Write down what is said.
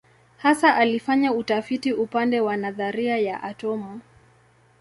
Hasa alifanya utafiti upande wa nadharia ya atomu.